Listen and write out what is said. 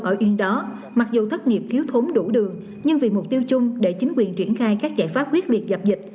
ở yên đó mặc dù thất nghiệp thiếu thốn đủ đường nhưng vì mục tiêu chung để chính quyền triển khai các giải pháp quyết liệt dập dịch